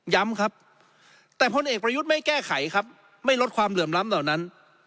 ครับแต่พลเอกประยุทธ์ไม่แก้ไขครับไม่ลดความเหลื่อมล้ำเหล่านั้น